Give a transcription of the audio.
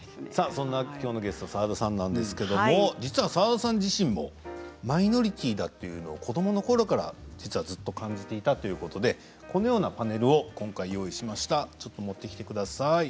きょうのゲスト、澤田さんですが澤田さん自身もマイノリティーだというのを子どものころから実はずっと感じていたということでパネルを用意しています。